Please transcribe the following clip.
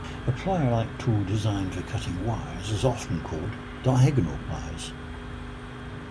A plier-like tool designed for cutting wires is often called diagonal pliers.